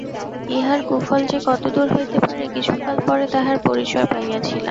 ইহার কুফল যে কতদূর হইতে পারে, কিছুকাল পরে তাহার পরিচয় পাইয়াছিলাম।